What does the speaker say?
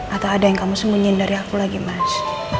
atau ada yang kamu sembunyiin dari aku lagi mas